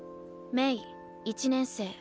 メイ１年生。